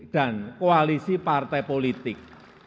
dan koalisi partai politik